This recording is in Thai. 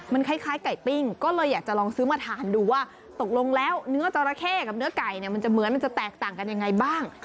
มันคล้ายไก่ปิ้งก็เลยอยากจะลองซื้อมาทานดูว่าตกลงแล้วเนื้อจราเข้กับเนื้อไก่เนี่ยมันจะเหมือนมันจะแตกต่างกันยังไงบ้าง